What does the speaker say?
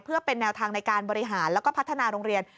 เพื่อเป็นแนวทางในการบริหารแล้วก็พัฒนาโรงเรียน